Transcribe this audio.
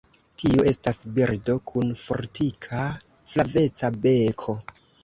Tiu estas birdo kun fortika, flaveca beko.